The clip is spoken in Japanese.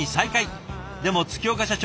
でも月岡社長